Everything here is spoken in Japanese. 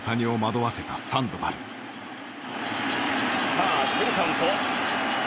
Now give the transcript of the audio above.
さあフルカウント。